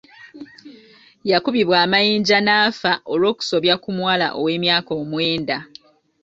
Yakubibwa amayinja n'afa olw'okusobya ku muwala ow'emyaka omwenda.